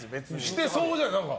してそうじゃん、何か。